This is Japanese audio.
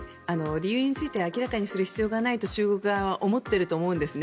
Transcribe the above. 理由について明らかにする必要はないと中国側は思っていると思うんですね。